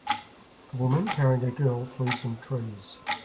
A woman carrying a girl through some trees.